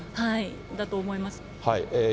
だと思います。